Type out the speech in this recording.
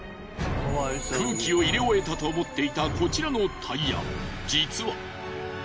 空気を入れ終えたと思っていたこちらのタイヤ実は。